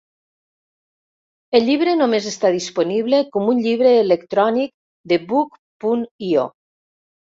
El llibre només està disponible com un llibre electrònic de Buk punt io.